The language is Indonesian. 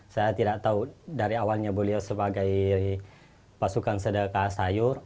saya tidak tahu dari awalnya beliau sebagai pasukan sedekah sayur